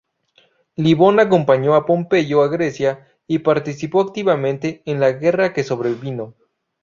Libón acompañó a Pompeyo a Grecia, y participó activamente en la guerra que sobrevino.